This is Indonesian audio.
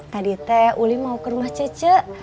tadi teh uli mau ke rumah cece